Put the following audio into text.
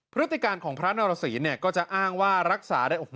พฤติการของพระนรสีเนี่ยก็จะอ้างว่ารักษาได้